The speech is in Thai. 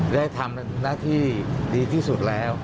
ได้ทำหน้าที่ดีที่สุดแล้ว